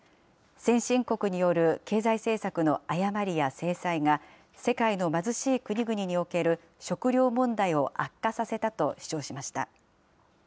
先進国による経済政策の誤りや制裁が世界の貧しい国々における食料問題を悪化させたと主張しました。